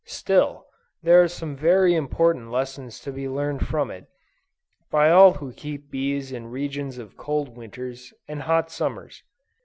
Still, there are some very important lessons to be learned from it, by all who keep bees in regions of cold winters, and hot summers.